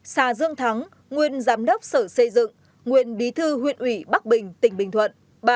hai xà dương thắng nguyên giám đốc sở xây dựng nguyên bí thư huyện ủy bắc bình tỉnh bình thuận